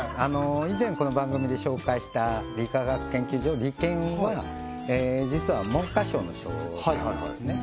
以前この番組で紹介した理化学研究所理研は実は文科省の所管なんですね